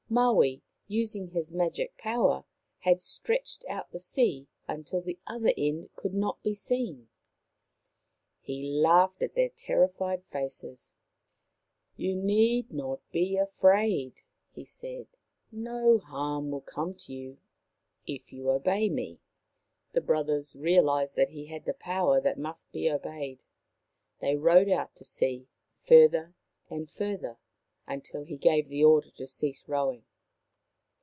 Maui, using his magic power, had stretched out the sea until the other end could not be seen. He laughed at their terrified faces. " You need not be afraid," he said. " No harm will come to you if you obey me." The brothers realized that he had the power that must be obeyed. They rowed out to sea, further and further, until he gave the order to cease rowing.